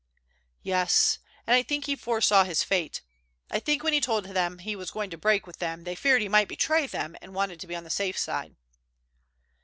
"Yes, and I think he foresaw his fate. I think when he told them he was going to break with them they feared he might betray them, and wanted to be on the safe side."